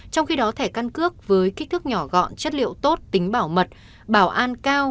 trong khi đó thẻ căn cước với kích thước nhỏ gọn chất liệu tốt tính bảo mật bảo an cao